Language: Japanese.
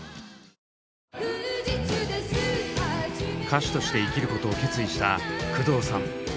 歌手として生きることを決意した工藤さん。